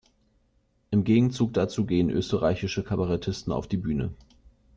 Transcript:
Im Gegenzug dazu gehen österreichische Kabarettisten auf die Bühne.